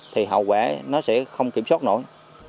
thì hậu quả nó sẽ không kiểm soát nổi